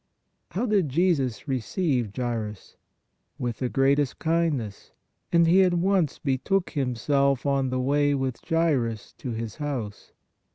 How did Jesus receive Jairus? With the greatest kindness and He at once betook Himself on the way with Jairus to his house.